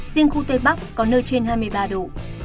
riêng khu tây bắc có nơi trên hai mươi ba độ